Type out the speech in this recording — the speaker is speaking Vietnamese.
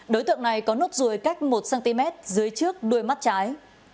đối tượng này có nốt ruồi cách một cm dưới trước đuôi mắt trái